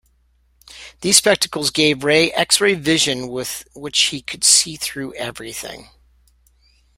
These spectacles gave Ray x-ray vision with which he could see through everything.